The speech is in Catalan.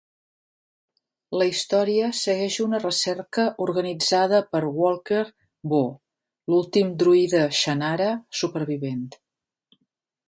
La història segueix una recerca organitzada per Walker BOH, l'últim druida Shannara supervivent.